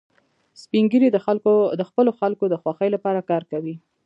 سپین ږیری د خپلو خلکو د خوښۍ لپاره کار کوي